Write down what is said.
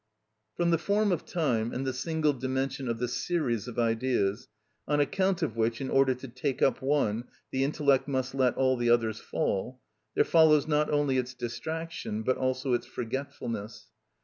From the form of time and the single dimension of the series of ideas, on account of which, in order to take up one, the intellect must let all the others fall, there follows not only its distraction, but also its forgetfulness.